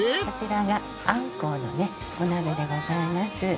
こちらがあんこうのねお鍋でございます。